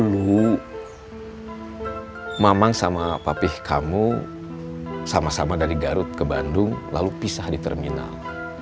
luhu mamang sama papih kamu sama sama dari garut ke bandung lalu pisah di terminal